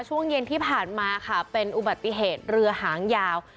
ช่วงเย็นที่ผ่านมาค่ะเป็นอุบัติเหตุเรือหางยาว